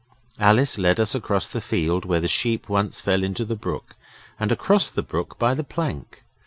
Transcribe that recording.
Alice led us across the field where the sheep once fell into the brook, and across the brook by the plank.